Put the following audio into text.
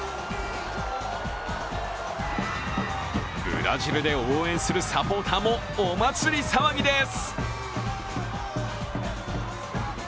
ブラジルで応援するサポーターもお祭り騒ぎです。